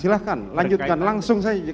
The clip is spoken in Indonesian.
silahkan lanjutkan langsung saja